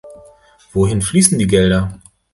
Wohin fließen die Gelder?